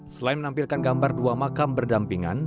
selain menampilkan gambar dua makam berdampingan